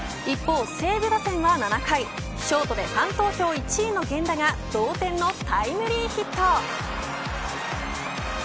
一方、西武打線は７回ショートでファン投票１位の源田が同点のタイムリーヒット。